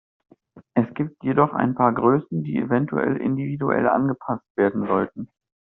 Es gibt jedoch ein paar Größen, die eventuell individuell angepasst werden sollten.